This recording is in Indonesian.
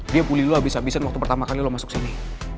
dia bully lo abis abisan waktu pertama kali lo masuk sini